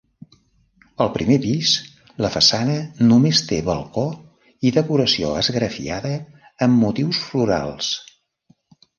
Al primer pis, la façana només té balcó i decoració esgrafiada amb motius florals.